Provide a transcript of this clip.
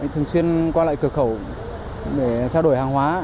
thường xuyên qua lại cửa khẩu để trao đổi hàng hóa